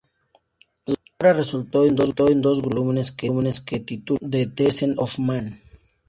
La obra resultó en dos gruesos volúmenes que tituló "The Descent of Man".